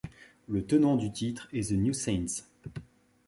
Le tenant du titre est The New Saints.